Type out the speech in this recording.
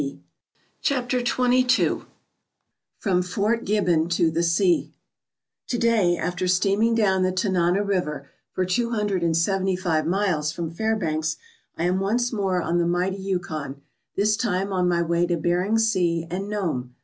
177 CHAPTER XXII FROM FORT GIBBON TO THE SEA TO DAY, after steaming down the Tanana River for two hundred and seventy five miles from Fairbanks, I am once more on the mighty Yukon, this time on my way to Bering Sea and Nome.